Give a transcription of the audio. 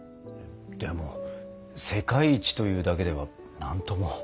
でも「世界一」というだけでは何とも。